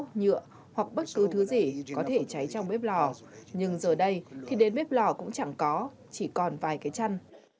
rác nhựa hoặc bất cứ thứ gì có thể cháy trong bếp lò nhưng giờ đây thì đến bếp lò cũng chẳng có chỉ còn vài cái chăn